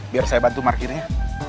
biar saya bantu markirnya